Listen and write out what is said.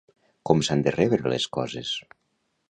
Com s'han de rebre les coses?